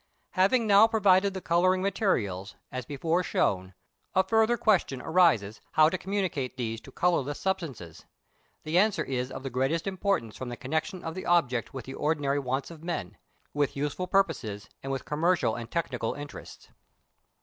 Having now provided the colouring materials, as before shown, a further question arises how to communicate these to colourless substances: the answer is of the greatest importance from the connexion of the object with the ordinary wants of men, with useful purposes, and with commercial and technical interests.